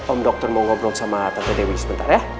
om dokter mau ngobrol sama tante dewi sebentar ya